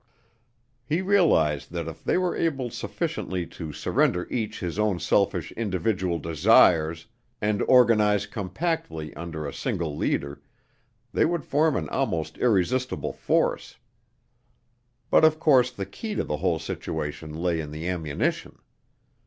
He realized that if they were able sufficiently to surrender each his own selfish individual desires and organize compactly under a single leader, they would form an almost irresistible force. But of course the key to the whole situation lay in the ammunition.